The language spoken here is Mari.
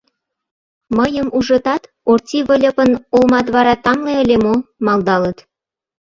Мыйым ужытат, «Орти Выльыпын олмат вара тамле ыле мо?» — малдалыт.